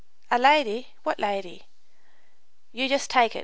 "A lady what lady?" "You just take it.